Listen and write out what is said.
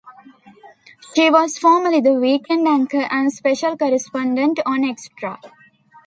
She was formerly the weekend anchor and special correspondent on Extra.